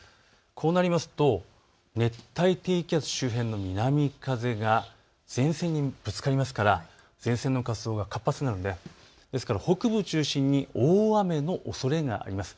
こうなりますと熱帯低気圧周辺の南風が前線にぶつかりますから前線の活動が活発になるのでですから北部を中心に大雨のおそれがあります。